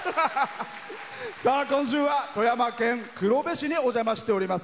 今週は富山県黒部市にお邪魔しております。